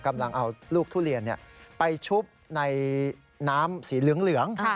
กำลังเอาลูกทุเรียนไปชุบในน้ำสีเหลือง